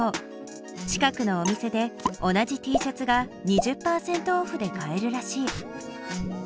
近くのお店で同じＴシャツが２０％オフで買えるらしい。